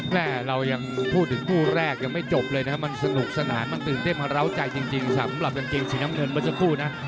แม่เรายังพูดถึงคู่แรกยังไม่จบเลยนะครับมันสนุกสนานมันตื่นเต้นร้าวใจจริงสำหรับกางเกงสีน้ำเงินเมื่อสักครู่นะ